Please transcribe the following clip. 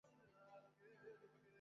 ওর মাসিক হয়েছে, বুঝেছেন?